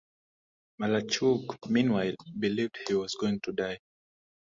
Malarchuk, meanwhile, believed he was going to die.